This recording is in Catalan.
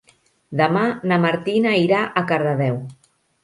Demà na Martina irà a Cardedeu.